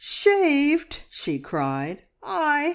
"Shaved!" she cried. "I?